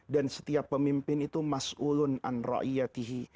dan setiap pemimpin itu mas'ulun an ro'iyatihi